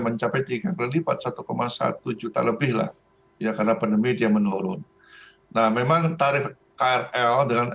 mencapai tiga kali lipat satu satu juta lebih lah ya karena pandemi dia menurun nah memang tarif krl dengan